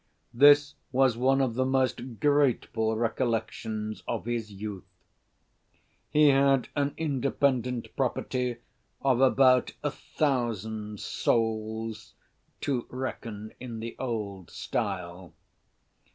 This was one of the most grateful recollections of his youth. He had an independent property of about a thousand souls, to reckon in the old style.